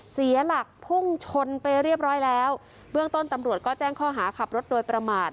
เสียหลักพุ่งชนไปเรียบร้อยแล้วเบื้องต้นตำรวจก็แจ้งข้อหาขับรถโดยประมาท